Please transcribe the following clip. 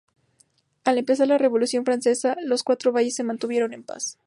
Al empezar la Revolución Francesa, los Cuatro Valles se mantuvieron en paz.